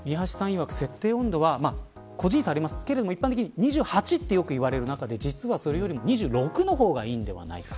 いわく設定温度は個人差ありますけれども一般的２８とよく言われる中でそれよりも２６の方がいいのではないか。